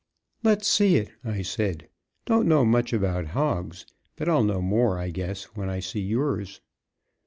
"Let's see it," I said. "Don't know much about hogs, but I'll know more, I guess, when I see yours."